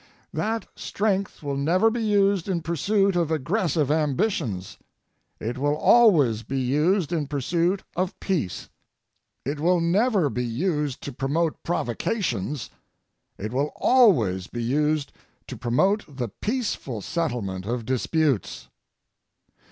That strength will never be used in pursuit of aggressive ambitions ŌĆō it will always be used in pursuit of peace. It will never be used to promote provocations ŌĆō it will always be used to promote the peaceful settlement of disputes.